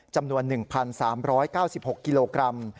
จำนวน๑๓๙๖กิโลกรัม